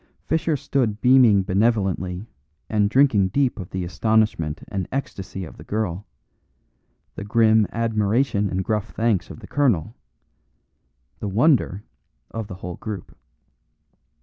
Fischer stood beaming benevolently and drinking deep of the astonishment and ecstasy of the girl, the grim admiration and gruff thanks of the colonel, the wonder of the whole group.